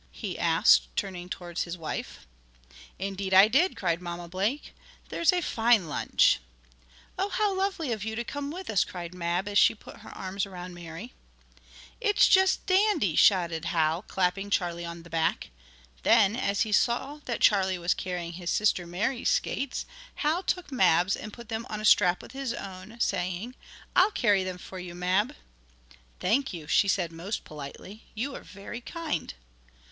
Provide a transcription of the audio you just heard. he asked, turning toward his wife. "Indeed I did!" cried Mamma Blake. "There's a fine lunch." "Oh, how lovely of you to come with us!" cried Mab, as she put her arms around Mary. "It's just dandy!" shouted Hal, clapping Charlie on the back. Then, as he saw that Charlie was carrying his sister Mary's skates, Hal took Mab's and put them on a strap with his own, saying: "I'll carry them for you, Mab!" "Thank you," she said, most politely. "You are very kind."